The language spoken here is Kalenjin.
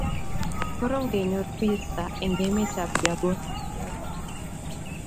Korom kenyor visa eng emetab Gabon